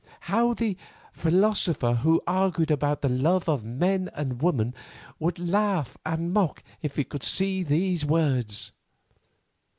How the philosopher who argued about the love of men and women would laugh and mock if he could see these words.